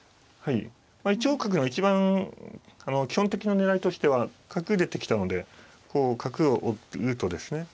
１五角の一番基本的な狙いとしては角出てきたのでこう角を追うとですね